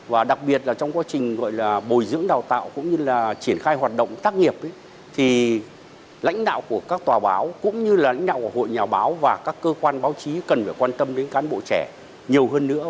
và đặc biệt là trong quá trình gọi là bồi dưỡng đào tạo cũng như là triển khai hoạt động tác nghiệp thì lãnh đạo của các tòa báo cũng như là lãnh đạo của hội nhà báo và các cơ quan báo chí cần phải quan tâm đến cán bộ trẻ nhiều hơn nữa